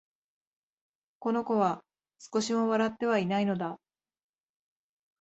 この子は、少しも笑ってはいないのだ